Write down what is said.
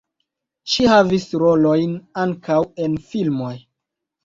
Ŝi havis rolojn ankaŭ en filmoj.